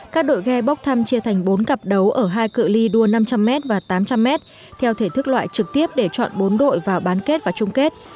các đội ghe bóc thăm chia thành bốn cặp đấu ở hai cự li đua năm trăm linh m và tám trăm linh m theo thể thức loại trực tiếp để chọn bốn đội vào bán kết và chung kết